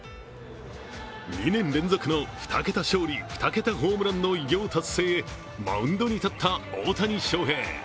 ２年連続の２桁勝利２桁ホームランの偉業達成へマウンドに立った大谷翔平。